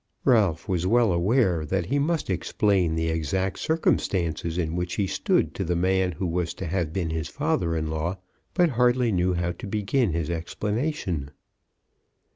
Ralph was well aware that he must explain the exact circumstances in which he stood to the man who was to have been his father in law, but hardly knew how to begin his explanation.